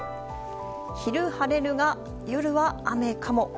昼晴れるが、夜は雨かも。